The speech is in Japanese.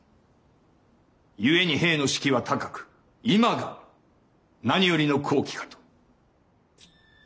故に兵の士気は高く今が何よりの好機かと。